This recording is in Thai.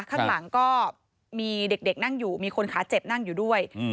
ข้างหลังก็มีเด็กนั่งอยู่มีคนขาเจ็บนั่งอยู่ด้วย